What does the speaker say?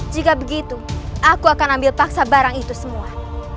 jika begitu aku akan ambil paksa barang itu semua